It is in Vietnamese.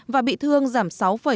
và bị thương giảm sáu bốn mươi hai